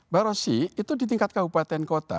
mbak rosy itu di tingkat kabupaten kota